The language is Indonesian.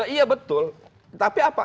iya betul tapi apa